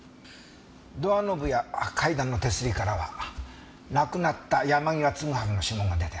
ドアノブや階段の手すりからは亡くなった山際嗣治の指紋が出たよ。